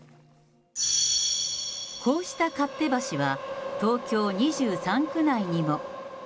こうした勝手橋は、東京２３区内にも。